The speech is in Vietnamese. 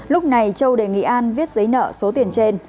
lúc này châu đề nghị an viết giấy nợ số tiền trên